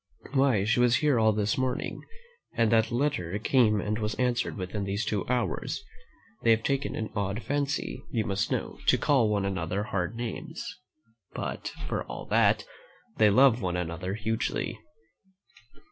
Why, she was here all this morning, and that letter came and was answered within these two hours. They have taken an odd fancy, you must know, to call one another hard names; but, for all that, they love one another hugely.'